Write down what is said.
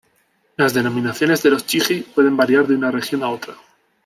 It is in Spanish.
Las denominaciones de los "chigi" pueden variar de una región a otra.